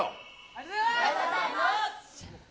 ありがとうございます。